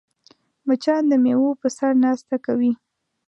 مچان د میوو په سر ناسته کوي